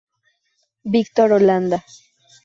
Victor Holanda.